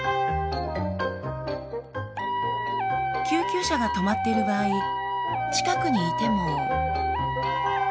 救急車が止まっている場合近くにいても。